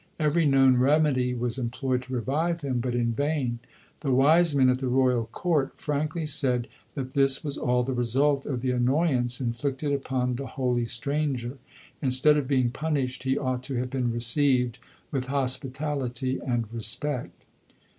Every known remedy was employed to revive him, but in vain. The wise men at the royal court frankly said that this was all the result of the annoyance inflicted upon the holy stranger. Instead of being punished, he ought to have been received with hospitality and respect.